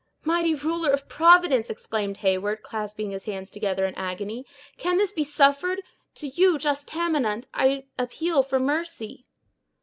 "Mighty ruler of Providence!" exclaimed Heyward, clasping his hands together in agony, "can this be suffered! To you, just Tamenund, I appeal for mercy."